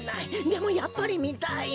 でもやっぱりみたい。